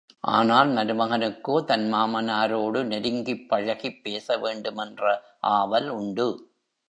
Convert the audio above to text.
ஆனால், மருமகனுக்கோ தன் மாமனாரோடு நெருங்கிப் பழகிப் பேசவேண்டும் என்ற ஆவல் உண்டு.